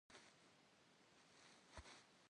Vudz khıxeşş, vueter şşejj.